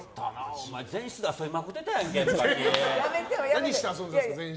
お雨、前室で遊びまくってたやんけ。